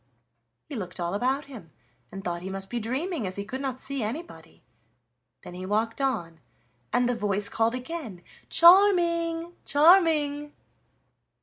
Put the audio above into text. He looked all about him and thought he must be dreaming, as he could not see anybody. Then he walked on and the voice called again: "Charming, Charming!"